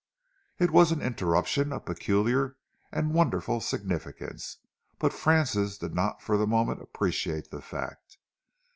It was an interruption of peculiar and wonderful significance, but Francis did not for the moment appreciate the fact.